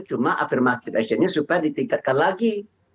cuma afirmative actionnya supaya ditingkatkan lagi